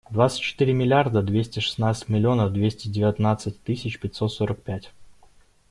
Двадцать четыре миллиарда двести шестнадцать миллионов двести девятнадцать тысяч пятьсот сорок пять.